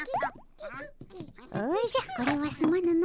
おじゃこれはすまぬの。